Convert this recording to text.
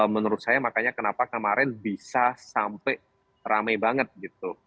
menurut saya makanya kenapa kemarin bisa sampai rame banget gitu